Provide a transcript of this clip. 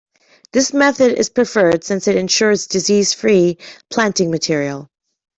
This method is preferred since it ensures disease-free planting material.